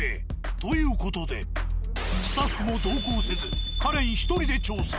という事でスタッフも同行せずカレン１人で調査。